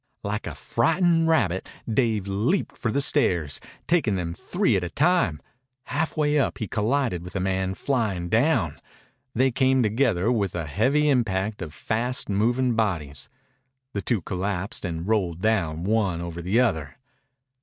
Like a frightened rabbit Dave leaped for the stairs, taking them three at a time. Halfway up he collided with a man flying down. They came together with the heavy impact of fast moving bodies. The two collapsed and rolled down, one over the other.